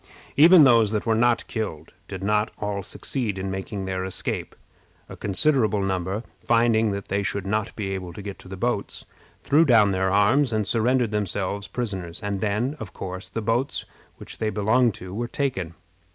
Even those that were not killed did not all succeed in making their escape. A considerable number, finding that they should not be able to get to the boats, threw down their arms, and surrendered themselves prisoners; and then, of course, the boats which they belonged to were taken.